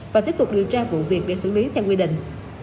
và tiếp tục điều tra vụ việc để xử lý theo quy định